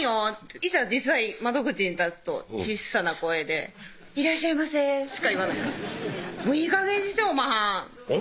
いざ実際窓口に立つと小っさな声で「いらっしゃいませ」しか言わない「いいかげんにしておまはん！」